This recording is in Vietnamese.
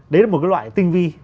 đấy là một cái loại tinh vi